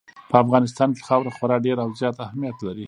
په افغانستان کې خاوره خورا ډېر او زیات اهمیت لري.